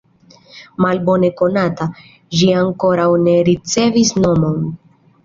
Malbone konata, ĝi ankoraŭ ne ricevis nomon.